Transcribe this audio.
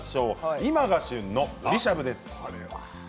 今が旬のぶりしゃぶです。